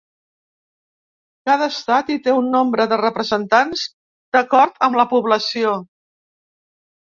Cada estat hi té un nombre de representants d’acord amb la població.